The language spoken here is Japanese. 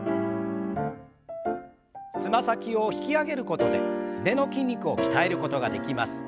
つま先を引き上げることですねの筋肉を鍛えることができます。